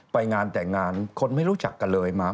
ไปงานแต่งงานคนไม่รู้จักกันเลยมา